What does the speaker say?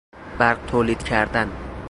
برق تولید کردن